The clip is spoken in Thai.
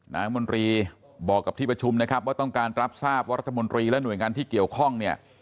นายมนตรีบอกกับที่ประชุมนะครับว่าต้องการรับทราบว่ารัฐมนตรีและหน่วยงานที่เกี่ยวข้องเนี่ย